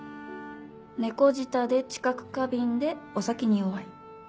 猫舌で知覚過敏でお酒に弱い。